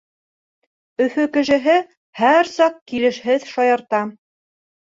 Өфө кешеһе һәр саҡ килешһеҙ шаярта.